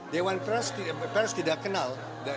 dewan perus tidak kenal